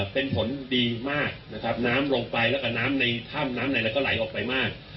เป็นผลดีมากนะครับน้ำลงไปแล้วก็น้ำในถ้ำน้ำในอะไรก็ไหลออกไปมาก